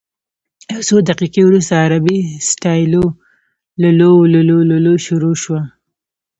یو څو دقیقې وروسته عربي سټایل لللووللوو شروع شوه.